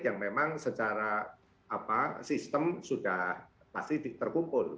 yang memang secara sistem sudah pasti terkumpul